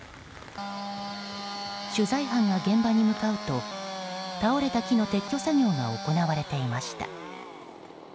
取材班が現場に向かうと倒れた木の撤去作業が行われていました。